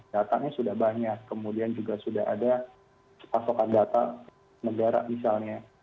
datanya sudah banyak kemudian juga sudah ada pasokan data negara misalnya